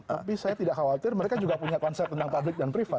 tapi saya tidak khawatir mereka juga punya konsep tentang public dan privat